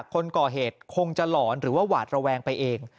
คนก่อเหตุคงจะหลอนหรือว่าหวาดระแวงไปเอง